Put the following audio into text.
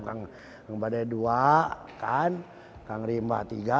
kang badai dua kan kang rimba tiga